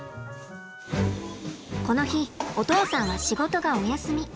この日お父さんは仕事がお休み。